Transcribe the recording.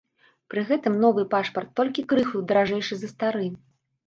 Пры гэтым новы пашпарт толькі крыху даражэйшы за стары.